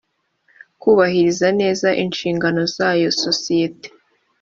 kubahiriza neza inshigano zayo sosiyete